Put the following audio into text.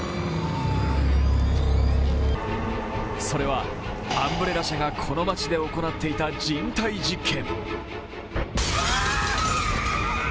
それはアンブレラ社がこの町で行っていた人体実験。